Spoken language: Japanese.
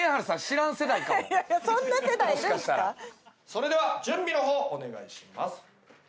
それでは準備の方お願いします。